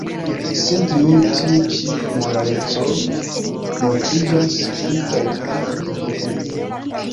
Sed nun tiu ĉi moraleco montriĝas pli kaj pli hipokrita.